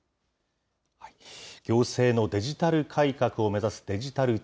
行政のデジタル改革を目指すデジタル庁。